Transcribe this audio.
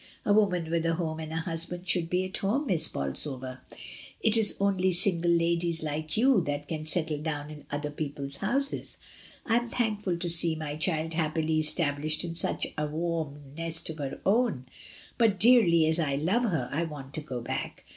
A woman with a home and a husband should be at home. Miss Bolsover; it is only single ladies, like you, that can settle down in other people's houses. I am thankful to see my child happily established in such a warm nest of her own, but, dearly as I love her, I want to get back.